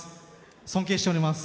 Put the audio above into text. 尊敬しております。